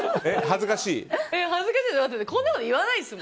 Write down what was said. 恥ずかしいです。